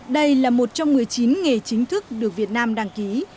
đây là một trong một mươi chín nghề chính thức được việt nam đăng ký